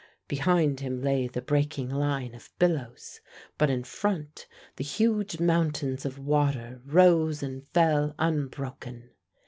Behind him lay the breaking line of billows, but in front the huge mountains of water rose and fell unbroken.